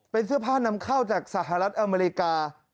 เป็นเสื้อผ้านำเข้าจากสหรัฐอเมริกา